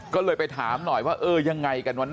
ก็เลยไปถามหน่อยว่าเออยังไงกันวะ